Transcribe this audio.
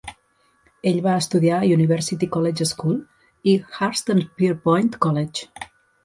Ell va estudiar a University College School i Hurstpierpoint College.